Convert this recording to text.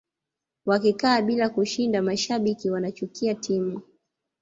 wakikaa bila kushinda mashabiki wanachukia timu